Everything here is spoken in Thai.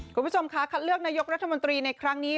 คุณผู้ชมคะคัดเลือกนายกรัฐมนตรีในครั้งนี้